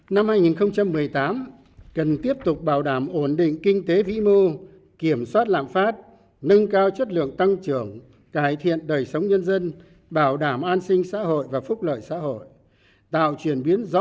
năm hai nghìn một mươi tám cần tiếp tục bảo đảm ổn định kinh tế vĩ mô kiểm soát lạm phát nâng cao chất lượng tăng trưởng cải thiện đời sống nhân dân bảo đảm an sinh xã hội và phúc lợi xã hội tạo chuyển biến rõ